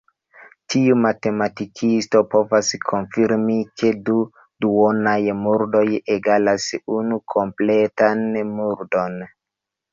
Ĉiu matematikisto povas konfirmi ke du duonaj murdoj egalas unu kompletan murdon.